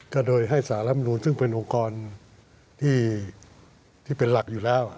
ก็โดยให้สารรับนูนซึ่งเป็นองค์กรที่เป็นหลักอยู่แล้ว